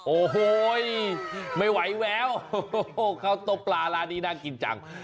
โอ้โหไม่ไหวแววข้าวต้มปลาร้านนี้น่ากินจัง